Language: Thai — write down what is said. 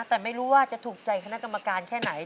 แต่ไม่รู้ว่าจะถูกใจคณะกรรมการแค่ไหน